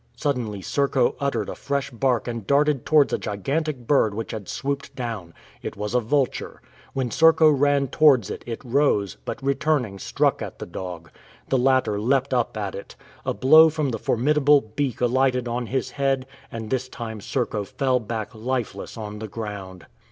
Suddenly Serko uttered a fresh bark and darted towards a gigantic bird which had swooped down. It was a vulture. When Serko ran towards it, it rose, but returning struck at the dog. The latter leapt up at it. A blow from the formidable beak alighted on his head, and this time Serko fell back lifeless on the ground.